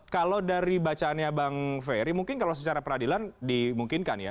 kalau dari bacaannya bang ferry mungkin kalau secara peradilan dimungkinkan ya